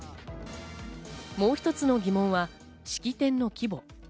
もう一つの疑問は式典の規模。